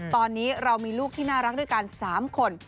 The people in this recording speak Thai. ตอนนี้เรามีลูกที่น่ารักด้วยกัน๓คน